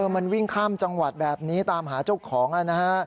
มันวิ่งข้ามจังหวัดแบบนี้ตามหาเจ้าของนะฮะ